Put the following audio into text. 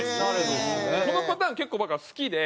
このパターン結構前から好きで。